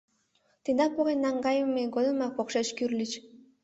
— Тендам поген наҥгайыме годымак покшеч кӱрльыч.